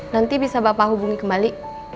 nanti bisa bapak hubungi kembali